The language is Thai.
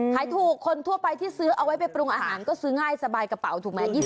ขายถูกคนทั่วไปที่ซื้อเอาไว้ไปปรุงอาหารก็ซื้อง่ายสบายกระเป๋าถูกไหม